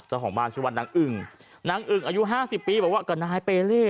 ชื่อว่านางอึ่งนางอึ่งอายุ๕๐ปีบอกว่าก็นายเปเล